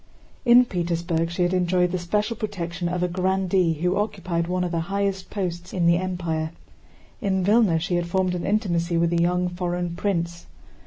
In Petersburg she had enjoyed the special protection of a grandee who occupied one of the highest posts in the Empire. In Vílna she had formed an intimacy with a young foreign prince.